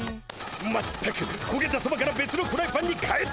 全くこげたそばからべつのフライパンにかえておったのか。